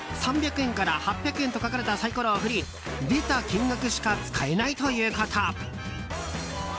１つ、３００円から８００円と書かれたサイコロを振り出た金額しか使えないということ。